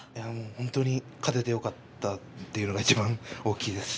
本当に勝ててよかったというのがいちばん大きいです。